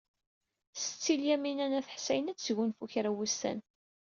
Setti Lyamina n At Ḥsayen ad tesgunfu kra n wussan.